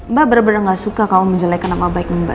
mbak bener bener nggak suka kamu menjelekan nama baik mbak